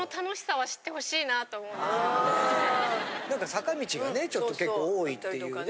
坂道がちょっと結構多いっていうね